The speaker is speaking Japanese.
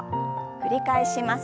繰り返します。